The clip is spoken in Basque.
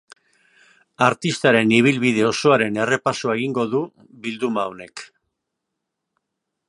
Artsitaren ibilbide osoaren errepasoa egingo du bilduma honek.